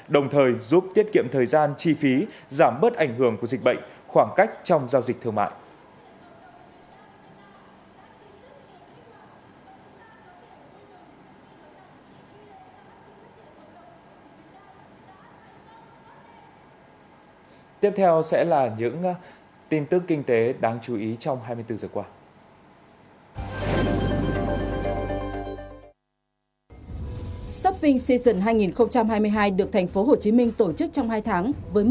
đồng thời giúp tiết kiệm thời gian chi phí giảm bớt ảnh hưởng của dịch bệnh khoảng cách trong giao dịch thương mại